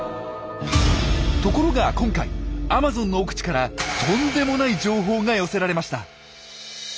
ところが今回アマゾンの奥地からとんでもない情報が寄せられました。